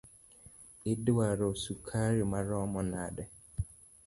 Iduaro sukari maromo nade?